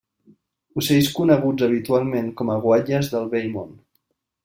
Ocells coneguts habitualment com a guatlles del Vell Món.